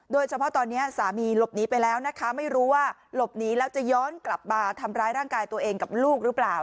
โดยเฉพาะตอนนี้สามีหลบหนีไปแล้วนะคะไม่รู้ว่าหลบหนีแล้วจะย้อนกลับมาทำร้ายร่างกายตัวเองกับลูกหรือเปล่า